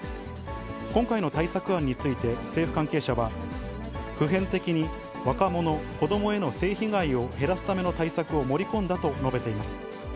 今回の対策案について政府関係者は、普遍的に、若者・子どもへの性被害を減らすための対策を盛り込んだと述べています。